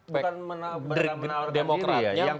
bukan menawarkan diri ya